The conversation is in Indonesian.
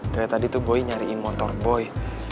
dari tadi tuh boy nyariin motor boy